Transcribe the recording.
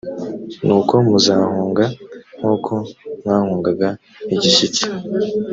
nuko muzahunga nk’ uko mwahungaga igishyitsi